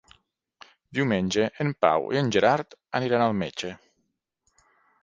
Diumenge en Pau i en Gerard aniran al metge.